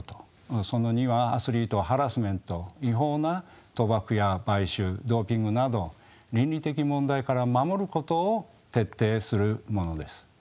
その２はアスリートハラスメント違法な賭博や買収ドーピングなど倫理的問題から守ることを徹底するものです。